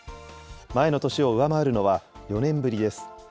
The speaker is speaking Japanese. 前の年を上回るのは４年ぶりです。